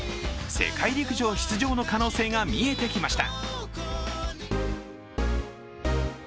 世界陸上出場の可能性が見えてきました。